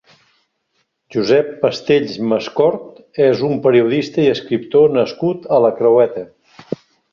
Josep Pastells Mascort és un periodista i escriptor nascut a la Creueta.